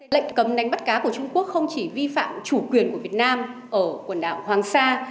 lệnh cấm đánh bắt cá của trung quốc không chỉ vi phạm chủ quyền của việt nam ở quần đảo hoàng sa